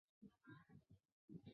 这也是齐达内最后的幕前演出。